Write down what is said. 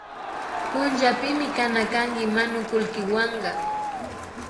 Punllapimi kana kanki manukulkiwanka